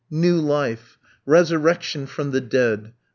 New life! Resurrection from the dead!